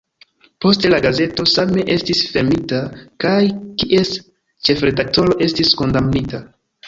Poste la gazeto same estis fermita, kaj kies ĉefredaktoro estis kondamnita.